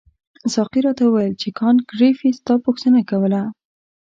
ساقي راته وویل چې کانت ګریفي ستا پوښتنه کوله.